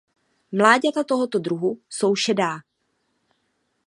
Mláďata tohoto druhu jsou šedá.